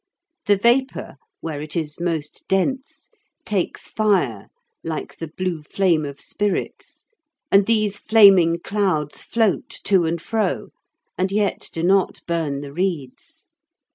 The vapour, where it is most dense, takes fire, like the blue flame of spirits, and these flaming clouds float to and fro, and yet do not burn the reeds.